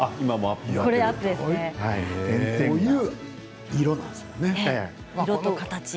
こういう色なんですね。